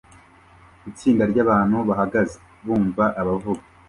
Itsinda ryabantu bahagaze bumva abavuga